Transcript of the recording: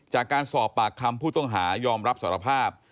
จากการสอบปากคำผู้ต้องหายอมรับสารภาพ